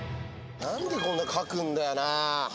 何でこんな書くんだよなぁ。